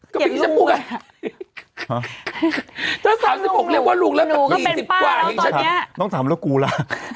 ก็พิมพ์ที่จะพูดไงถ้า๓๖เรียกว่าลูกแล้ว๒๐ขวบเห็นฉันเนี่ยน้องถามแล้วกูล่ะ